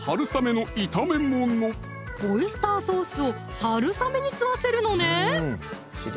オイスターソースを春雨に吸わせるのね！